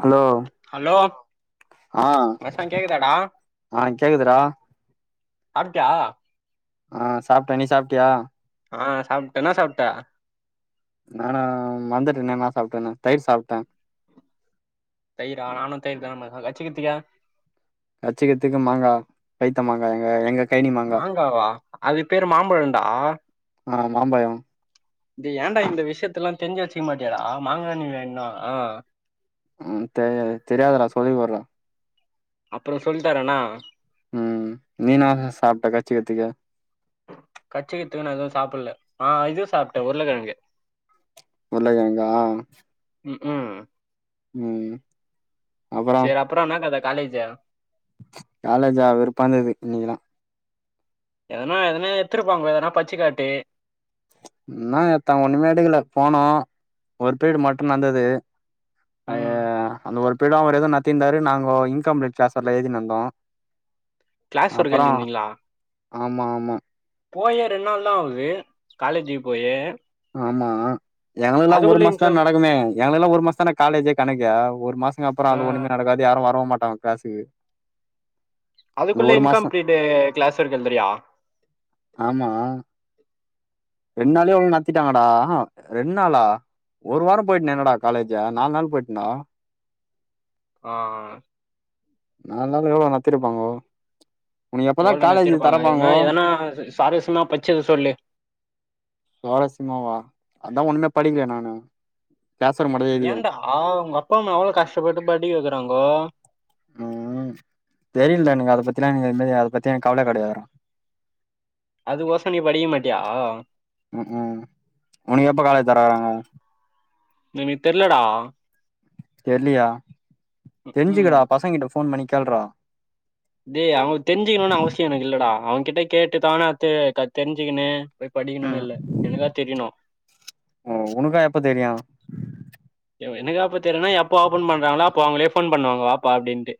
[inaudible] Hello hello ஆஹ் மச்சா கேக்குதாடா ஆஹ் கேக்குதுரா [unintelligible] ஆஹ் சாப்ட்ட நீ சாப்பிட்டியா ஆஹ் சாப்ட்டேனா சாப்ட்டே நானா வந்துட்டேன நான் சாப்பிட்டே தயிர் சாப்பிட்டேன் தயிரா நானும் தயிர் தான கச்ச கத்திக்கா கச்சிக்கிறதுக்கு மாங்காய் கைத்த மாங்காய் எங்க எங்க கைனி மாங்கா மாங்காவா அது பேரு மாம்பழண்டா ஆ மாம்பழோ இது ஏண்டா இந்த விஷயத்த எல்லாம் தெரிஞ்சு வச்சுக்க மாட்டேடா மாங்கணி வேணா ஆஹ் உஹம் தெரிய தெரியாதடா சொல்லி போடுறா அப்புறம் சொல்லிட்டாரேண்ணா உஹம் நீன சாப்பிட்ட கச்சி கத்திக்க கச்சிக்கத்துக்குன்னு எதுவும் சாப்பிடல ஆஹ் இது சாப்பிட்டேன் உருளைக்கிழங்கு உருளைக்கிழங்கா உம் உம் அப்புறம் காலேஜா காலேஜா வெருப்பாந்தது இன்னைக்குல்லாம் எதனா எதனா எத்துிருப்பாங்க எதனா பச்சு காட்டு என்னா எத்த ஒண்ணு போனோம் ஒரு ப்ரீடு மட்டும் நடந்தது அ ம் அந்த வ இப்பட அவர் எதவும் நத்திருந்தாரு நாங்கோ இன்கம்ப்ளீட் க்ளாசர்ல ஏழுதி நடந்தோம் கிளாஸ் ஒருர்கள்ங்களா ஆமா ஆமா போயே ரெண்டு நாள் தா ஆகுது காலேஜுக்கு போயே ஆமா எங்களுக்கெல்லா ஒரு அதுக்குள்ள மாசந் தா இன்க்ளம் நடக்குமே எங்களுக்கெல்லா ஒரு மாசந் தான காலேஜே கணக்கா ஒரு மாசம் அப்பறோ அ ஆ ஒன்னுமே நடக்காது யாரும் வரவு மாட்டாங்க ப காசுக்கு அதுக்குள்ள இன்கம்ப்ளீட் கிளாஸ் இருக்குரியா ஆமா ரெண்டு நாளே எவ்ளவு நத்திட்டாங்கடாஹ ரெண்டு நாளா ஒரு வாரம் போயிட்டனே என்னடா காலேஜ நாலு நாள் போயிட்டேன்டா ஆ நாலு நாள எவ்ளோ நடத்திருப்பாங்கோ உனக்கு எப்பதா எவ்வளவு காலேஜ் நத்திருப்பாங்க என்னா தெறப்பாங்கோ எதனா சுவாரஸ்மா பச்சது சொல்லு சுவாரஸ்யமாவா அதா ஒன்னுமே படிங்களே நானு கிளாஸ் ஒர்க் மட்டுந்தா எழுதிக்கிறே ஏன்டா ஆ உங்க அப்பா அம்மா எவ்வளோ கஷ்டப்பட்டு படிக்க வைக்குறாங்கோ உம் தெரியலடா எனக்கு அத பத்திலாம்ங்க அத பத்தி என கவல கெடயாதுரா அது கோசம் நீ படிக்க மாட்டியா உம் உம் உனக்கு எப்ப காலேஜ் தெரக்றாங்க எனக் தெரிலடா தெர்லயா ம் தெரிஞ்சுக்குடா பசங்கிட்ட ஃபோன் பண்ணி கேள்ரா டேய் அவுங்க தெரிஞ்சுக்கணும்னு அவசியோ எனக் இல்லடா அவங்ககிட்ட கேட்டு தான அ தெரிஞ்சுக்கனு போய் படிக்கணுனு ம் இல்ல என்க்கா தெரியணு ஓ உனக்கா எப்ப தெரியு எனக்கா எப்ப தெரியனா எப்பா ஓபன் பண்றாங்களா அப்போ அவுங்களே ஃபோன் பண்ணுவாங்க வாப்ப அப்டின்ட்டு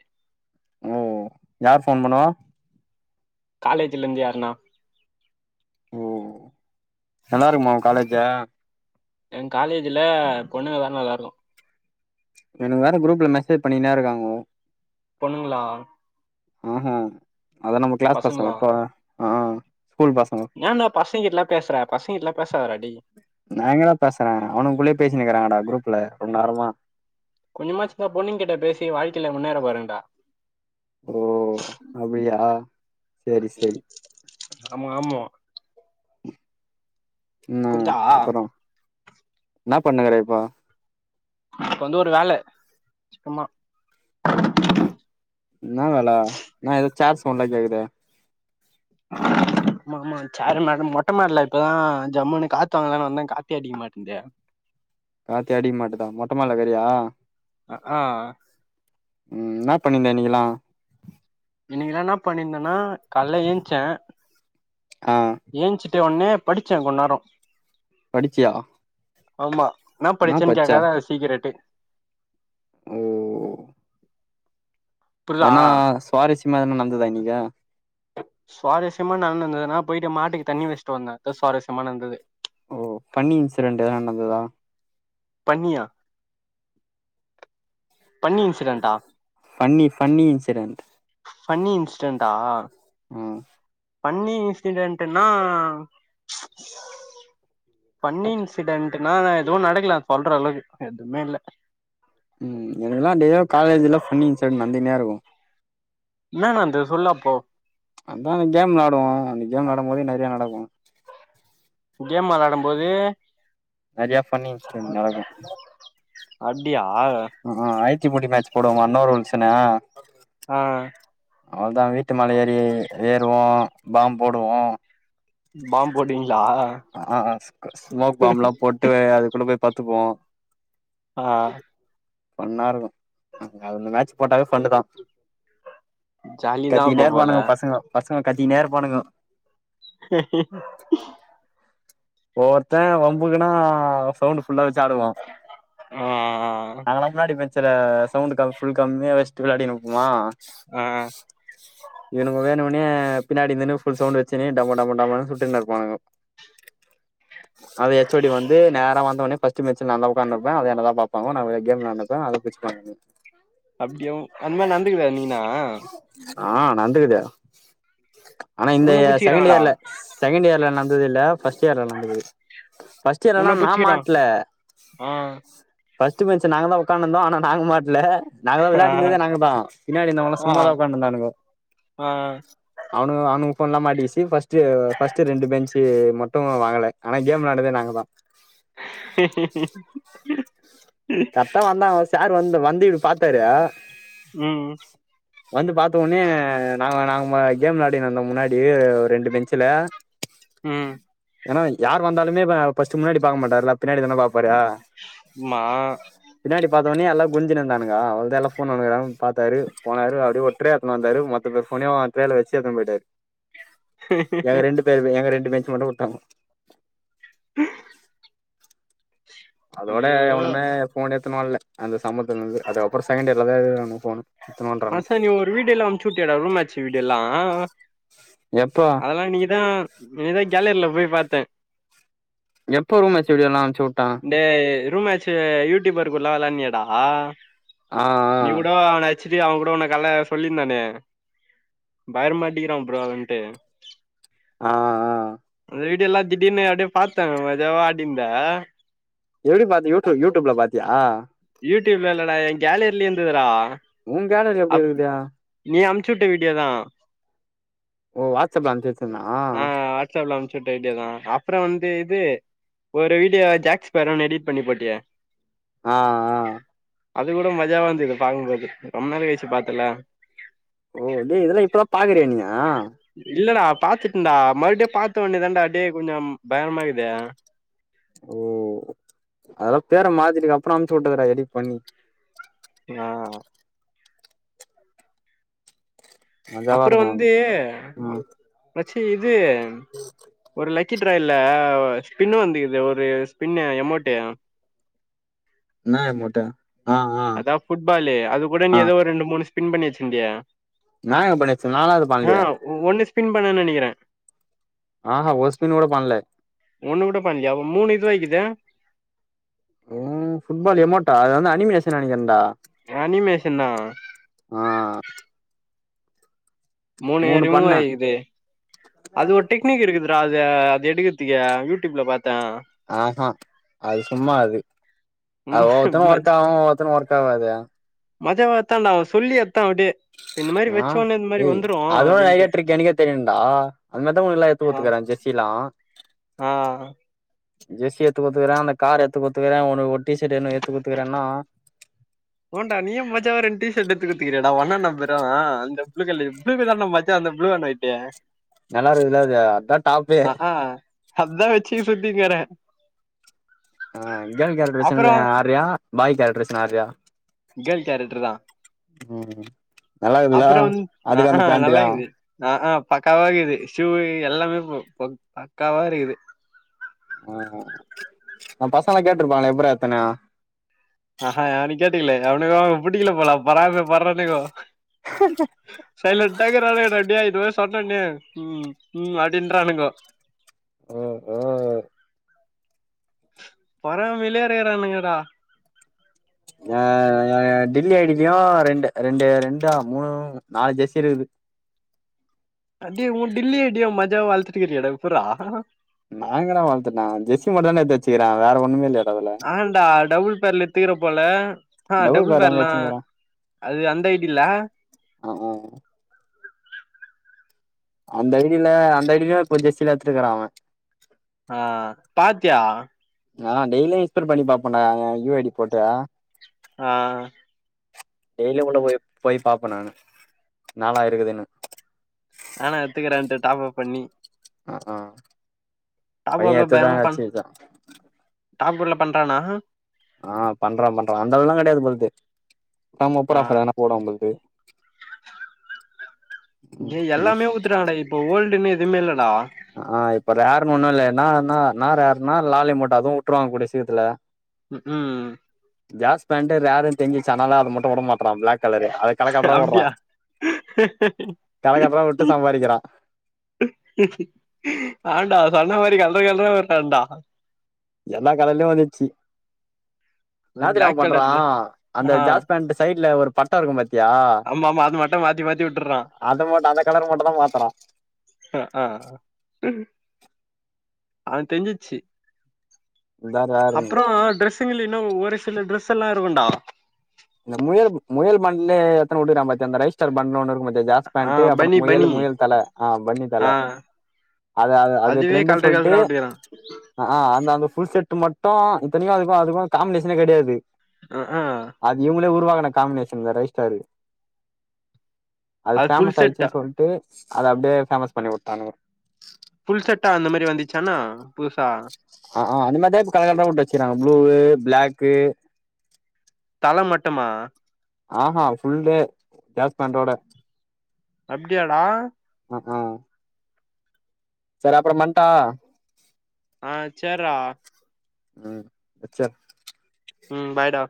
ஓ - யார் ஃபோன் பண்ணுவா? காலேஜ்ல இருந்து யாருனா ஓ நல்லா இருக்குமா உ காலேஜு எ காலேஜ்ல பொண்ணுங்கதா நல்லா இருக்கு எனக்கு வேற குரூப்ல மெசேஜ் பண்ணின்னே இருக்காங்கோ பொண்ணுங்ளா? ஊகு அதா நம்ம கிளாஸ் பசங்க பசங்களா மட்டு ஆ ஸ்கூல் பசங்க ஏன்டா பசங்க கிட்டலாம் பேசுற பசங்க கிட்டலாம் பேசாதடா டேய் நா எங்கடா பேசறே அவனுகளுக்குள்ளயே பேசினுருக்கிறாங்கடா குரூப்ல கொஞ்ச நேரமா கொஞ்சமாச்சு பொண்ணுங்ககிட்ட பேசி வாழ்க்கைல முன்னேற பாருங்கடா ஓ அப்டியா செரி செரி ஆமா ஆமா இன்னா புரியுதா அப்புறோ என்னா பண்ணினுருக்கற இப்போ? இப்ப வந்து ஒரு வேல சும்மா இன்னா வேல? இன்னா எதோ சேர் சவுண்ட்லா கேக்குது ஆமா ஆமா சேரு நக மொட்ட மாடில இப்பதா ஜம்முனு காத்து வாங்கலான்னு வந்தே காத்தே அடிக்க மாட்டேன்து காத்தே அடிக்க மாட்டுதா மொட்ட மாடில இக்கறயா ஆ ஆ ம் என்னா பண்ணினுருந்த நீயெல்லா இன்னக்கி என்னென்னா பண்ணிருந்தே ன்னா கால்ல ஏந்ச்சே ஆ ஏந்ச்சிட்ட ஒட்னே படிச்சே கொஞ்ச நேரோ படிச்சியா? ஆமா என்னா என்ன படிச்சேன்னு படிச்ச கேக்காத அது சீக்ரெட்டு ஓ புரியுதா எதுனா சுவாரஸ் யமா எதுனா நடந்துதா இன்னக்கி சுவாரஸ்யமா நடந்திருந்ததுன்னா போயிட்டு மாட்டுக்கு தண்ணி வச்ட்டு வந்தே அதா சுவாரஸ்யமா நடந்தது ஓ ஃபன்னி இன்சிடென்டு எதா நடந்துதா பன்னியா ஃபன்னி ஃபன்னி இன்சிடென்ட் ஃபன்னி இன்சிடன்டா ம் ஃபன்னி இன்சிடென்ட்டுனா ஃபன்னி இன்சிடென்ட்டுனா னா எதுவு நடக்கல சொல்ற அளவுக்கு எதுமே இல்ல ம் எனக்கலா டெய்லியு காலேஜ்ல ஃபன்னி இன்சிடெண்ட் நடந்துனே இருக் என்னா நடந்துது சொல்லு அப்போ அதா அந்த கேம் விளாடுவோ அந்த கேம் விளாடும் போது நெறைய நடக்கு கேம் வெளயாடம் போது நெறையா ஃபன்னு இன்சிடென்ட் நடக்கு அப்டியா அ ஆ ஆய ச்சி முடி மேச்சி போடுவாங்க ஒன்னவர் ஒன்ஸ்னு ஆ அவ்ளோதான் வீட்டு மேல ஏறி ஏறுவோம் பாம் போடுவோ பாம் போட்டுருவிங் ஆ ஆ ஸ்மோக் பாம்லா போட்டு அதுக்குள்ள போய் பத்துப்போ ஆ ஆ ஃபண்ணா இருக்கும் அங்க அவுங்க மேச்சி போட்டாலே ஃபண்ணு தா ஜாலிதா கத்தினே அப்ப போல இருபானுங்க பசங்கோ பசங் ஆ கத்தினே இருபானுங்கோ ஹ ஒவ்வொருத்தன் வம்புக்குனா சவுண்டு புல்லா வச்சி ஆடுவோம் ஆ நாங்களா முன்னாடி பெ சில சவுண்டு கம் ஃபுல் கம்மியா வச் ட்டு விளயாடினுப்பமா ஆ இவனுங்க வேணும்னே பின்னாடிந்துனு ஃபுல் சவுண்ட் வச்சிகினே டம டம டமனு சுட்டுகினு இருப்பானுங்க அது ஹச் ஓ டி வந்து நேரா வந்த ஒன்னே பஸ்ட் சிம்மி வச்சிக்கினு நா அந்த பக்கம் உக்காந்திருப்பேன் அது என்ன தான் பாப்பாங்க நான் கேம் விளயானு இருப்பேன் அவுங்க புடிச்சிக்குவாங்க என்னய அப்டியோ அந்த மாரி நந்துக்கிதா என்னிக்கினா ஆ நந்துகிதே ஆனா இந்த உன்ன செகண்ட் புச்சிக்கிறாங்களா இயர்ல செகண்ட் இயர்ல நந் து வில்ல பஸ்ட்டு இயர்ல நடந்துக்கிது பஸ்ட்டே இயர்ல உன்ன ஆனா நான் புச்சிக்கிறா மாட்ல ஆ ஃபஸ்ட்டு பெஞ்சி நாங்க தான் உக்காந்துந்தோ ‌ஆனா நாங்க மாட்ல நாங்களா விளையாடி இருந்ததே ஆ நாங்க தான் விளயாடினு இருந்ததே நாங்க தான் பின்னாடி இருந்தவங்கலா ஆ சும்மாதான் உக்காந்துட்டு இருந்தானுங்க ஆ அவனுங்க அவனுங்கோ ஃபோன்லா மாட்டிக்கிச்சி ஃபஸ்ட்டு ஃபஸ்ட்டு ரெண்டு பெஞ்சி மட் டும் வாங்கல ஆனா கேம் விளான்டதே நாங்க தா கரெட்டா வந்தாங்க சாரு வந்து வந்து இப்படி பாத்தாரு ம் வந்து பாத்த ஒன்னே நாங்க நாங்க ம கேம் விளாடினு இந்தோ முன்னாடி ரெண்டு பெஞ்சில ம் ஏன்னா யார் வந்தாலுமே ப ஃபஸ்ட்டு முன்னாடி பாக்க மாட்டாரு இல்ல பின்னாடி தான பாப்பாரு மா பின்னாடி பார்த்த வந்தவுனேயோ எல்லா குஞ்சினுந்தானங்கா அவளதான் எல்லா போன்னையு பாத்தாரு போனரு அப்படியே ஒத்ரே எத்துனு வந்தாரு மோத்த பேரோட போன்னனயும் வச்சு ஏத்து போயிட்டாரு எங்க ரெண்டு பேறுமே எங்க ரெண்டு என்ன ஏஞ்சி மட்டும் உட்டாங்க ஆஹ அதோட எவனுமே போன் எத்துனுவர்ல அந்த சம்மத்துல இருந்து அதுக்கப்புற செகண்ட் இயர்லதான் எடுக்குறாங்க போணு மச்சா நீ ஒரு வீடு எல்லா அம்சூட்டேயோ டா ரூமேச்சு வீடு எல்லாம் ஆஹ்ஹ எப்போ அதெல்லா நீங்கதா நீதான் கேலர்ல போய் பாத்தேன் எப்போ ரூம் எத்தது எல்லா இந்த ரூம்மேச்சி யூடியூபர் கூட நள்ளாத விளான்டியா டா ஆஹ் நீ ஆஹ் அச்சிட்டு அவகக்கூட உன்னை காள்ள சொல்லியிருந்தானே பயகரமா அடிக்கிறா ப்ரோ அப்டின்டு ஆஹ் ஆஹ் வீடியோலா திடீர்னு அப்படியே பார்த்த மஜாவா அடி இருந்த எப்படி பாத்த யூடிப் யூடியூப்ல பாத்தியா யூடியூப்ல இல்லடா என் கேலர்லியோ இருந்துதுடா ஊம் கேலரி எப்டி இருக்குதா அம்சுட்ட வீடியோ தான் ஓ வாட்ஸ்அப்ல அம்ச்சு வச்சிருந்தா ஆ ஆஹ் வாட்ஸ்அப்ல அம்ச்சுட்ட வீடியா தான் அப்புறம் வந்து இது ஒரு வீடியோ ஜாக்ஸ் பேரும்னு எடிட் பண்ணி போட்டியே ஆஹ் ஆஹ் அது கூட மஜாவ வ இருந்துது பார்கும்போது ரொம்ப நேரச்ச பாத்தல ஓ டேய் இதெல்லாம் இப்பதான் பாக்குறேன் நீங்க ம் இல்லடா பாத்துட்டேன்டா மறுபடியும் பா்த்தோடனே தண்டா அப்டியே கொஞ்சம் பயமாருக்குது ஓ அதெல்லாம் பேற மாத்திட்டு அப்புறம் அனுப்ச்சு விட்டுக்றேன் எடிட் பண்ணி யான் மஜாவா அப்புறோ இருக்கும் அது ம் சேரி இது ஒரு லச் கி ட்ரயல்ல ஸ்பின் வந்து இது ஒரு ஸ்பின் எமோட் இந்நா எமோட்டு ஆ ஆ அதா ஃபுட்பாலு அது கூட ஆ நீ ஏதோ ரெண்டு முணு ஸ் பின் பண்ணி வச்சுந்தியே நா என்ன பண்ணிவச்சேன் நாலா எதும் பண்லயே பின் பண்ணன் நெனக்கிறே ஆஹா ஒரு ஸ்பின் கூட பண்ல ஒண்ணு கூட பண்ணலியா அப்ப மூணு இதுவாக்கிது ஓ ஃபுட்பால் எமோட்டா அது வந்து அனிமேஷன் நெனக்கிறன்டா அனிமேஷனா ஆ மூணே மூணு ரிமூவ் பண்ணே ஆய்கிது அது ஒரு டெக்னிக் இருக்குதுடா த அது எடுக்கத்துக்கு யூடூப்ல பாத் ஆ ஹங் அது சும்மா அது ஆ ஒவ்வொருத்தன் ஒர்க் ஆவும் ஒவ்வொருத்தனு ஒர்க் ஆவாது மஜாவத்தாண்டா அவ சொல்லி எத்தா அப்டியே இப்ப இந்த மாரி ஆ வச்ச உடனே இந்த மாரி ஏய் வந்துரு அதுவு அப்டின்ட்டு ஐடியா டிரிக் எனக்கே தெரியுண்டா அது மாரிதா உங்களுக்குல்லா எடுத்து ஆ குத்துக்கறாங் ஜெர்சிலாம் ஆ ஜெர்ஸி ஏத்து குடுத்துக்கறா அவனுக்கு கார் ஏத்து குடுத்துக்கறான் ஒனக்கு ஒரு டீஷட் ஒன்னு எத்து குடுத்துக்குறான்னா தா அவ அண்ண நம்பரும் அந்த ப்ளூ கலர் புளூ கலர் நா மச்சா அந்த புளூட நைட்டு நல்லா இருக்துல அது அதா டாப்பே ஆஹா அதா வச்சி சுத்திங்கறேன் ஆ கேர்ள் கேரட்டர் வேஷம் ஆடுரியா பாய் கேரட்டர் வேஷ் ஆடுரியா கேர்ள் கேரட்டர் தான் ம் நல்லா இருக்குதுல அப்றோ வந் அ அதுக்கு அந்த ஆ நல்ல பேண்ட்டுக்கா கேள்வி அ ஆ பக்காவா இகுது ஷூ எல்லாமே ப்ரோ ப பக்காவா இருகுது ஆ நம் பசங்கலா கேட்ருபாங்களே எப்ரா எத்தனு அ ஹா அவன கேட்டிங்ளே அவனுக் ஒங் புடிக்ல போல பொறாம பற்றானுங்கோ சைலண்டா இருக்ரா ரெடியா இருவஸ் சொன்னேனே உம் உம் அப்டின்றானுங்கோ [inaudible] பறம் வெளியேறகறானுங்கடா அஹ் எ டில்லி ஐடிலயும் ரெண்டு ரெண்டு ரெண்டா மூணு நாலு ஜெசி இருகுது [unintelligible] நாங்க நா வளத்துட்டான் ஜெஸி மட்டுதான்டா எத்து வச்சுக்கிறன் வேற ஒண்ணுமே இல் [inaudible] தீர போல ஆஹ் டபுள் பேர் எங்க பேர்லாம் வச்சுனுக்கிறே அது அந்த ஐடில்ல ஆ ஆ அந்த ஐடில அந்த ஐடில கொஞ்சம்சில எத்துகுறான் அவன் ஆஹ் பாத்யா ஆஹ டெய்லியும் இன்ஸ்பெ்ட பண்ணி பாப்பண்டா யு ஐடி போட்டு ஆஹ் டெய்லி உள்ள போய் போய் பாப்பேன் நானு நாளாயிருக்குதுனு நானா எத்துக்குறேன்ட்டு டாப்பாப் பண்ணி ஆஹ் ஆஹ் டாப் [unintelligible] டாப்புல பண்றானா ஆஹ் பண்றோம் பண்றோம் அந்த அளவுலாம் கிடையாது போலது ஆ [unintelligible] நீ போல்து எல்லாமே ஊதறங்கடா இப்ப ஓல்டுனு எதுமேல்லடா ஆஹ் இப்ப ரேருனு ஒன்னுல்ல [unintelligible] ம் [unintelligible] பிளாக் கலரு அத களை கட்டுரா அப்டியா உடுறான் கள கட்டுரா உட்டு சம்பாறிக்கிறான் ஆண்டா சொன்ன மாரி கலற கலற உறான்டா எல்லா கலயிலயும் வந்துச்சு [unintelligible] பிளாக் பட்டா கலர்ல இருக்கும் பத்தி ஆமாமா அது மட்டும் மாத்தி மாத்தி உட்டுற்றான் அத மட்டு அந்த கலர் மட்டுந்தா மாத்தறா ஆஹ் தெஞ்சிச்சு இதான் ரேற்னு இன்னும் ஒரு சில டிரரெஸ் எல்லாம் இருக்கும்ண்டா மண்லே எத்த உட்டுக்கறா பாத்தியா அந்த ரைஸ் ஸ்டார் பன்னு ஒன்னு இருக்கு பாத் த ஜாஸ் ஆ பேண்ட் அப்புறோ பனி முயலு பனி முயலு தல ஆ ஃபன்னி ஆ தல அத அத அது அதுவே எடுத்துறண்டு கல்ற சொல்ட்டு கல்ற ஓட்டிக்கிறா அ அ அந்த அந்த ஃபுல் செட் மட் தோ இத்திக்கு அதுக்கு அதுக்கு காமினேஷனே கெடையாது ஆ ஆ அது இவங்களே உருவாகன காம்பினேஷன் இந்த ரைஸ்டாரு அது ஃபுல் ஃபேமஸ் செட்டா ஆயிடுச்சுன்னு சொல்ட்டு அத அப்பிடியே பேஃபேமஸ் பண்ணிவுட்டானுங்க ஃபுல் செட்டா அந்த மாரி வந்துச்சானா புதுசா ஆ அந்த மாரிதா கலகதாவுட்டு வச்சுறாங்க ப்ளூ பிளாக்கு பழம் மட்டுமா ஆ ஃபுல்லு டேஸ் பேண்டோட அப்பிடியாடா ஆ சேரி அப்புறம் பண்டா ஆ சேரா ம் ச்சா ம் பாய்டா